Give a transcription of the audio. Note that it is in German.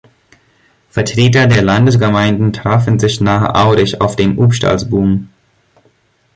Vertreter der Landesgemeinden trafen sich nahe Aurich auf dem Upstalsboom.